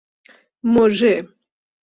مژه